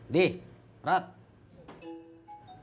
temenin gue ke rumah si mai yuk